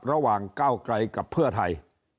ระหว่างก้าวไกลกับเพื่อไทย